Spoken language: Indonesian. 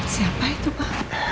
siapa itu pa